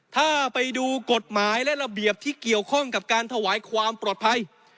ถ้าไปดูกฎหมายและระเบียบที่เกี่ยวข้องกับการถวายความปลอดภัย